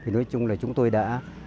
nói chung là chúng tôi đã